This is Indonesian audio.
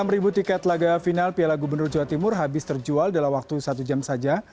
enam ribu tiket laga final piala gubernur jawa timur habis terjual dalam waktu satu jam saja